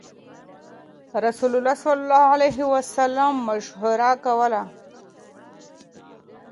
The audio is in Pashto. رسول الله صلی الله عليه وسلم مشوره کوله.